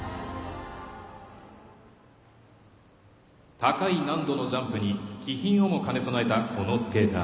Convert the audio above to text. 高い難度のジャンプに気品をも兼ね備えたこのスケーター。